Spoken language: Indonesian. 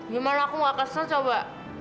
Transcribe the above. gimana aku gak kesel coba